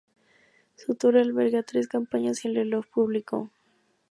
Su torre alberga tres campanas y el reloj público.